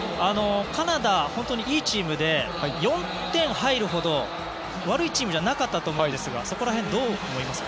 カナダは本当にいいチームで４点入るほど悪いチームじゃなかったと思うんですがそこら辺どう思いますか。